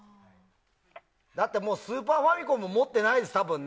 だって、スーパーファミコンも持ってないよね、たぶん。